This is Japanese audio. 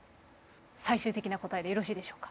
最終的な答えでよろしいでしょうか？